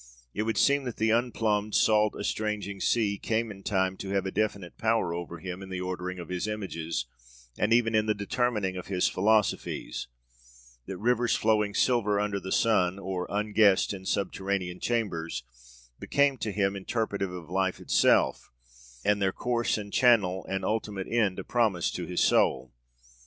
It would seem that 'the unplumbed, salt, estranging sea' came in time to have a definite power over him in the ordering of his images and even in the determining of his philosophies; that rivers flowing silver under the sun, or, unguessed, in subterranean chambers, became to him interpretative of life itself, and their course and channel and ultimate end a promise to his soul.